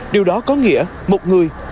điều đó có nghĩa một người có ba lần số dân